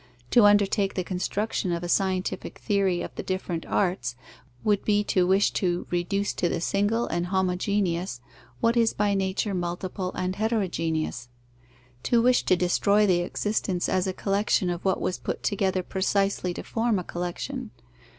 To undertake the construction of a scientific theory of the different arts, would be to wish to reduce to the single and homogeneous what is by nature multiple and heterogeneous; to wish to destroy the existence as a collection of what was put together precisely to form a collection.